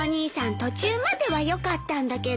途中まではよかったんだけど。